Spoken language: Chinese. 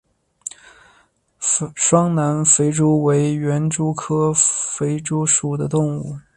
双南肥蛛为园蛛科肥蛛属的动物。